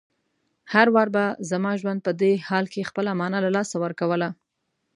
هر وار به زما ژوند په دې حال کې خپله مانا له لاسه ورکوله.